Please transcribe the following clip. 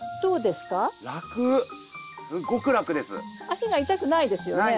足が痛くないですよね。